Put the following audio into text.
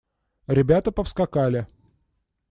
Ребята повскакали.